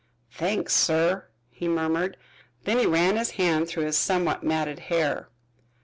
"Thanks, sir," he murmured. Then he ran his hand through his somewhat matted hair.